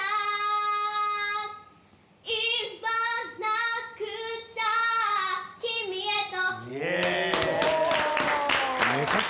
「言わなくちゃ君へと」